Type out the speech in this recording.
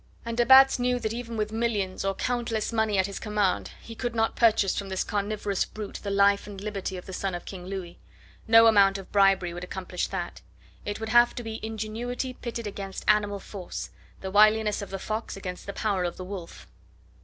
And de Batz knew that even with millions or countless money at his command he could not purchase from this carnivorous brute the life and liberty of the son of King Louis. No amount of bribery would accomplish that; it would have to be ingenuity pitted against animal force, the wiliness of the fox against the power of the wolf.